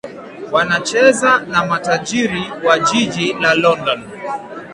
wanacheza na matajiri wa jiji la london